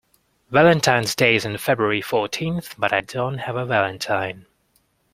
Valentine's Day is on February fourteenth, but I don't have a valentine.